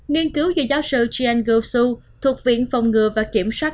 nghiên cứu do giáo sư jian guoshu thuộc viện phòng ngừa và kiểm soát